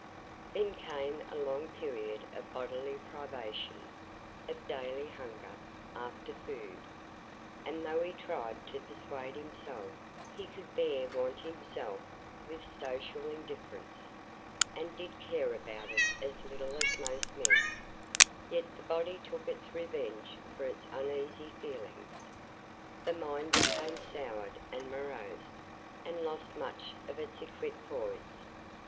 Then came a long period of bodily privation; of daily hunger after food; and though he tried to persuade himself he could bear want himself with stoical indifference, and did care about it as little as most men, yet the body took its revenge for its uneasy feelings. The mind became soured and morose, and lost much of its equipoise.